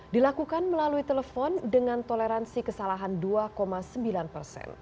dilakukan melalui telepon dengan toleransi kesalahan dua sembilan persen